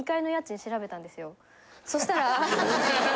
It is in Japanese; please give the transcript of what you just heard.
そしたら。